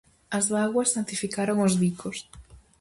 As bágoas santificaron os bicos.